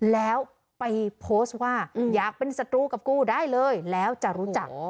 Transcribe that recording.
แล้วไปโพสต์ว่าอยากเป็นศัตรูกับกูได้เลยแล้วจะรู้จัก